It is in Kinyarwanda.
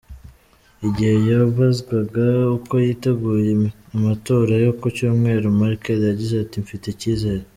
Igihe yabazwaga uko yiteguye amatora yo ku Cyumweru, Merkel yagize ati: “Mfite icyizere”.